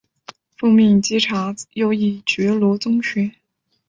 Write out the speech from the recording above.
奉命稽查右翼觉罗宗学。